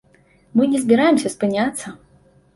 Мы не збіраемся спыняцца!